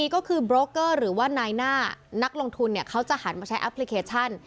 ก็คือโบรกเกอร์หรือว่านายหน้านักลงทุนเขาจะหันมาใช้แอปพลิเคชัน